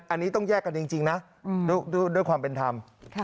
อันนี้ต้องแยกกันจริงนะด้วยความเป็นธรรม